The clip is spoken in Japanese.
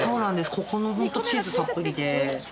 ここのホントチーズたっぷりで。